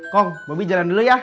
kong bobi jalan dulu ya